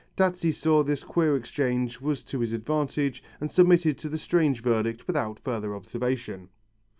Dazzi saw that this queer exchange was to his advantage and submitted to the strange verdict without further observation.